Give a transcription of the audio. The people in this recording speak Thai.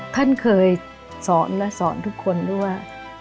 ท่านเคยสอนและสอนทุกคนด้วยว่า